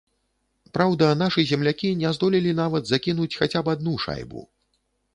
Праўда, нашы землякі не здолелі нават закінуць хаця б адну шайбу.